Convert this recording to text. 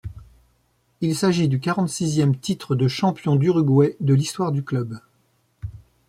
Il s’agit du quarante-sixième titre de champion d'Uruguay de l’histoire du club.